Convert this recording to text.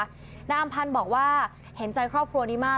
นายอำพันธ์บอกว่าเห็นใจครอบครัวนี้มาก